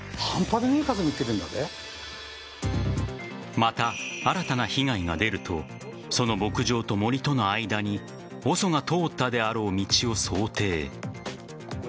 また、新たな被害が出るとその牧場と森との間にＯＳＯが通ったであろう道を想定。